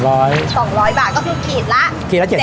๒๐๐บาทก็คือคือละ๗๐บาท